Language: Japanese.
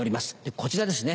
こちらですね